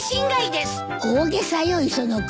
大げさよ磯野君。